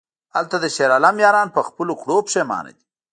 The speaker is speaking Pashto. هلته د شیرعالم یاران په خپلو کړو پښیمانه دي...